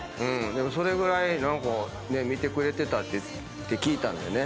それぐらい見てくれてたって聞いたんでね